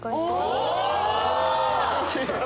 お！